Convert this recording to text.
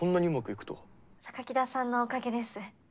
田さんのおかげです。